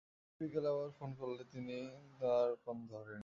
পরে বিকেলে আবার ফোন করলে তিনি আর ফোন ধরেননি।